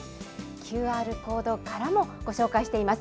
ＱＲコードからもご紹介しています。